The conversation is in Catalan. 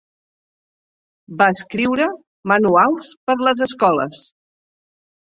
Va escriure manuals per les escoles.